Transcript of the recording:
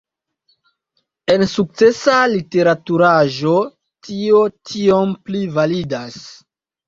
En sukcesa literaturaĵo, tio tiom pli validas.